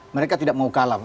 mereka tidak mau kalah